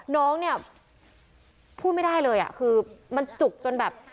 น้องเนี่ยพูดไม่ได้เลยอ่ะคือมันจุกจนแบบ